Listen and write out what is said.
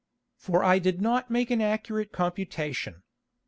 For I did not make an accurate Computation.